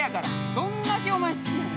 どんだけお前好きやねん。